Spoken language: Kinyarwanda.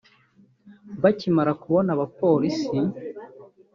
Bakimara kubona abapolisi